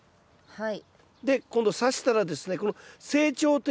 はい。